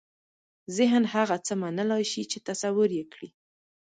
ذهن هغه څه منلای شي چې تصور یې کړي.